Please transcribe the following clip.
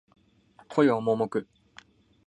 恋は盲目